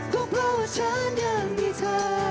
ก็เพราะฉันยังมีเธอ